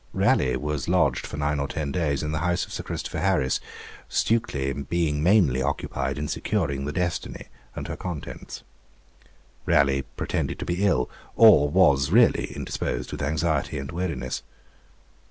Raleigh was lodged for nine or ten days in the house of Sir Christopher Harris, Stukely being mainly occupied in securing the 'Destiny' and her contents. Raleigh pretended to be ill, or was really indisposed with anxiety and weariness.